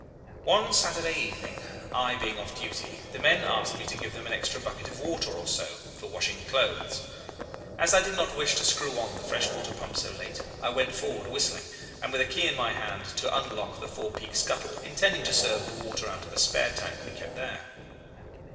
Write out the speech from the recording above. "One Saturday evening, I being off duty, the men asked me to give them an extra bucket of water or so for washing clothes. As I did not wish to screw on the fresh water pump so late, I went forward whistling, and with a key in my hand to unlock the forepeak scuttle, intending to serve the water out of a spare tank we kept there.